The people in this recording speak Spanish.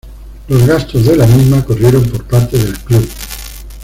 Los gastos de la misma corrieron por parte del club.